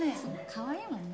かわいいもんね